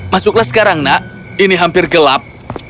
masuklah sekarang nak ini hampir gelap